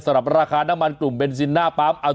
สำหรับราคาน้ำมันกลมเบนซินหน้าปร้ำ